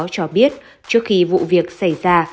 cho biết trước khi vụ việc xảy ra